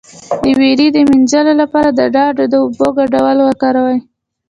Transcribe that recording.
د ویرې د مینځلو لپاره د ډاډ او اوبو ګډول وکاروئ